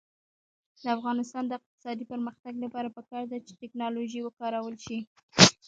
د افغانستان د اقتصادي پرمختګ لپاره پکار ده چې ټیکنالوژي وکارول شي.